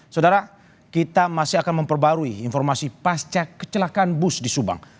saudara kita masih akan memperbarui informasi pasca kecelakaan bus di subang